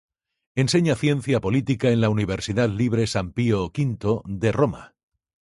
Enseña ciencia política en la Universidad Libre San Pío V de Roma.